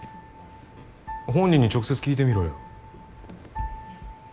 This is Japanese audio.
本人に直接聞いてみろよ。